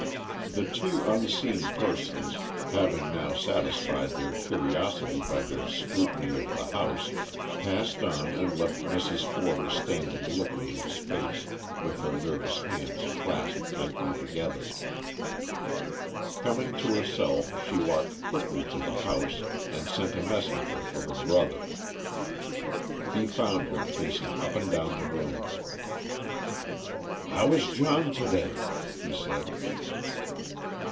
The two unseen persons, having now satisfied their curiosity by their scrutiny of the house, passed on and left Mrs. Forder standing looking into space, with her nervous hands clasped tightly together. Coming to herself she walked quickly to the house and sent a messenger for her brother. He found her pacing up and down the room. "How is John to day?" he said.